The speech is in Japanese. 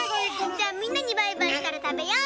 じゃあみんなにバイバイしたらたべよう。